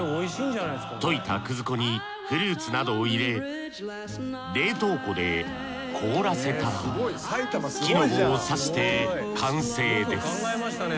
溶いた粉にフルーツなどを入れ冷凍庫で凍らせたら木の棒を刺して完成です。